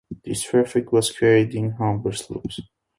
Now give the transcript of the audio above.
This traffic was carried in Humber sloops.